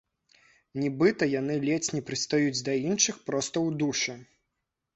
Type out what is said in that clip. Нібыта яны ледзь не прыстаюць да іншых проста ў д у шы.